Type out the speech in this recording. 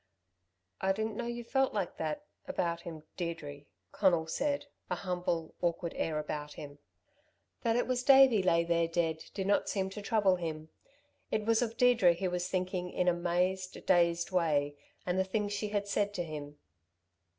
"I didn't know you felt like that about him, Deirdre," Conal said, a humble, awkward air about him. That it was Davey lay there dead did not seem to trouble him. It was of Deirdre he was thinking in a mazed, dazed way, and the thing she had said to him.